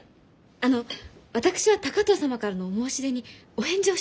あの私は高藤様からのお申し出にお返事をしたわけでは。